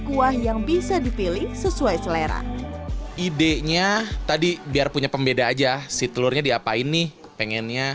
kuah yang bisa dipilih sesuai selera idenya tadi biar punya pembeda aja si telurnya diapain nih pengennya